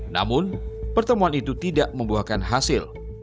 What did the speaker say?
namun pertemuan itu tidak membuahkan hasil